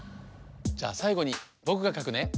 じゃあさいごにぼくがかくね。